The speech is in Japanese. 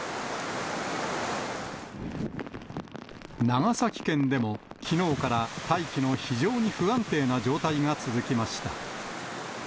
長崎県でも、きのうから大気の非常に不安定な状態が続きました。